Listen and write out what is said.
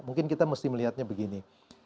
mungkin kita mesti melihatnya begini